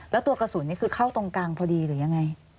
แล้วตัวกระสุนนี่คือเข้าตรงกลางพอดีหรือยังไง